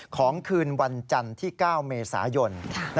คืนวันจันทร์ที่๙เมษายน